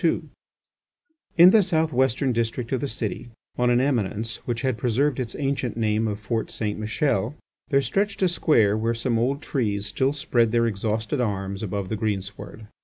§. 2 In the southwestern district of the city, on an eminence which had preserved its ancient name of Fort Saint Michel, there stretched a square where some old trees still spread their exhausted arms above the greensward.